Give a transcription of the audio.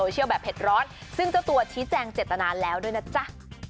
เจ็บตานานแล้วด้วยนะจ๊ะ